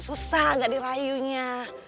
susah agak dirayunya